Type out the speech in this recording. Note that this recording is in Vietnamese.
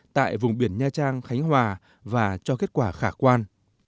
tại vùng biển nha trang khánh hòa và cho kết quả khả quan